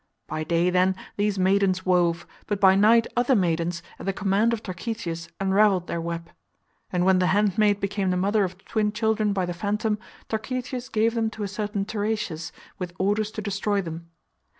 By day, then, these maidens wove, but by night other maidens, at the command of Tarche tius, unravelled their web. And when the handmaid became the mother of twin children by the phantom, Tarchetius gave them to a certain Teratius with orders to destroy them.